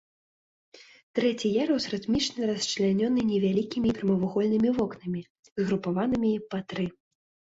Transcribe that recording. Трэці ярус рытмічна расчлянёны невялікімі прамавугольнымі вокнамі, згрупаванымі па тры.